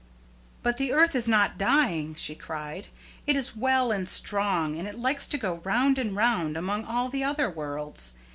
"But the earth is not dying," she cried. "It is well and strong, and it likes to go round and round among all the other worlds.